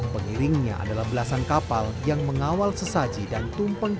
pengiringnya adalah belasan kapal yang mengawal sesaji dan tumpeng